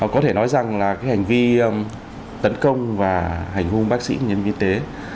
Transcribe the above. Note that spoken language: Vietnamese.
có thể nói rằng là cái hành vi tấn công và hành hung bác sĩ nhân viên tế